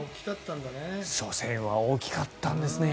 初戦は大きかったんですね。